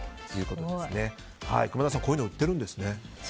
熊田さん、こういうの売ってるんですね。